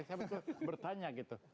saya bertanya gitu